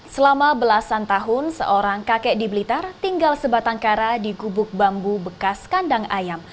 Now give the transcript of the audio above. selama belasan tahun seorang kakek di blitar tinggal sebatang kara di gubuk bambu bekas kandang ayam